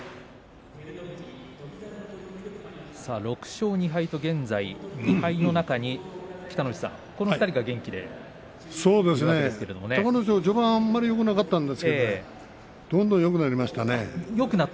６勝２敗と、現在２敗の中にこの２人が隆の勝、序盤はあまりよくなかったですけどどんどんよくなりましたね。